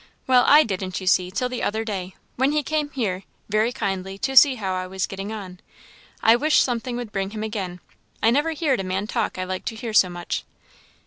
"Well, I didn't, you see, till the other day, when he came here, very kindly, to see how I was getting on. I wish something would bring him again. I never heerd a man talk I liked to hear so much."